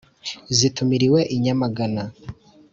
Zitumiriwe i Nyamagana